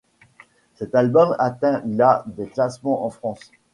Cet album atteint la des classements en France.